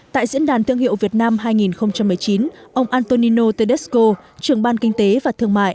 tại diễn đàn thương hiệu việt nam hai nghìn một mươi chín ông antonino tedesko trưởng ban kinh tế và thương mại